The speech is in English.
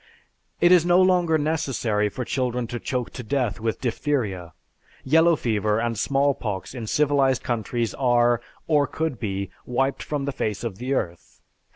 It is no longer necessary for children to choke to death with diphtheria. Yellow fever, and small pox in civilized countries are, or could be, wiped from the face of the earth.